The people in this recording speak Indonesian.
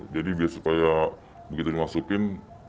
jadi supaya begitu dimasukin